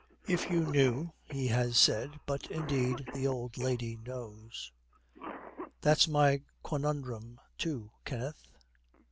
'If you knew,' he has said, but indeed the old lady knows. 'That's my quandorum too, Kenneth.'